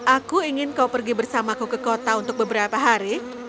aku ingin kau pergi bersamaku ke kota untuk beberapa hari